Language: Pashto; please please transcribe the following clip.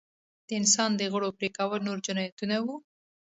د انسان د غړو پرې کول نور جنایتونه وو.